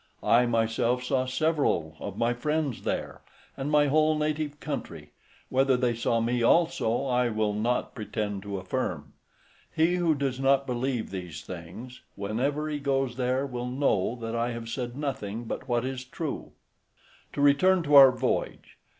I myself saw several of my friends there, and my whole native country; whether they saw me also I will not pretend to affirm. He who does not believe these things, whenever he goes there will know that I have said nothing but what is true. To return to our voyage.